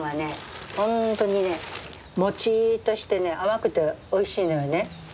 本当にねもちっとしてね甘くておいしいのよね。